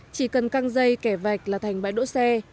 chỉ cần căng dây kẻ vạch là thành bãi đỗ xe